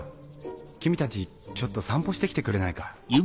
君たちちょっと散歩して来てくれないか？